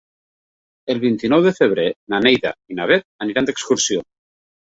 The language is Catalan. El vint-i-nou de febrer na Neida i na Bet aniran d'excursió.